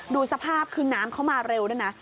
ดูสภาพคือน้ำเข้ามาเร็วด้วยนะ